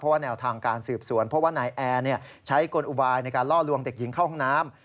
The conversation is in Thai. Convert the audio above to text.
ว่าแนวทางการสืบสวนเพราะว่านายแอร์ใช้กลอุบายในการล่อลวงเด็กหญิงเข้าห้องน้ำ